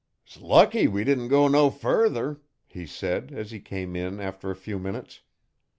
''S lucky we didn't go no further,' he said, as he came in after a few minutes.